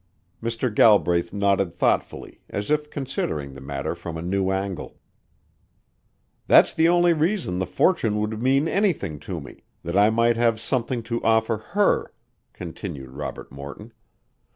Mr. Galbraith nodded thoughtfully as if considering the matter from a new angle. "That's the only reason the fortune would mean anything to me that I might have something to offer her," continued Robert Morton.